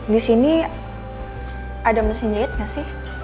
di sini ada mesin jahit gak sih